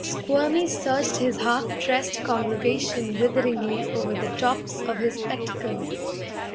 Squirmy searched his half dressed congregation witheringly over the tops of his spectacles.